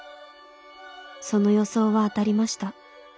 その予想は当たりました。